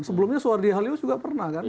sebelumnya suwardi halius juga pernah